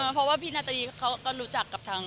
เพราะว่าพี่นาตรีเขาก็รู้จักกับทาง